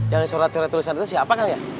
yang surat surat tulisan itu siapa kan ya